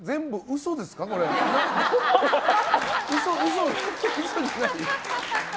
嘘じゃない？